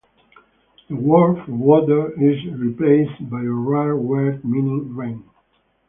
The word for water is replaced by a rare word meaning rain.